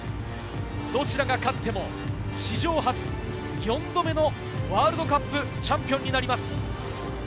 どちらが勝っても史上初、４度目のワールドカップチャンピオンになります。